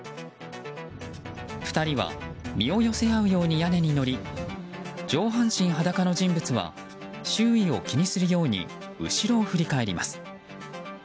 ２人は身を寄せ合うように屋根に乗り上半身裸の人物は周囲を気にするように後ろを振り返ります。